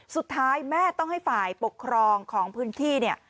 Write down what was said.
สุดท้ายแม่ต้องให้ฝ่ายปกครองของพื้นที่เนี่ย